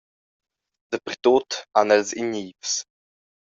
Dapertut han els ignivs.